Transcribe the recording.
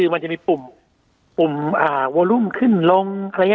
มันจะมีปุ่มโวลูมขึ้นลง